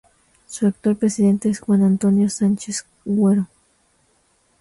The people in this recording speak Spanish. Su actual presidente es Juan Antonio Sánchez Quero.